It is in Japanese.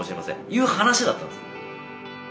いう話だったんです。